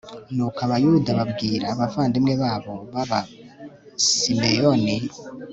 nuko abayuda babwira abavandimwe babo b'abasimeyoni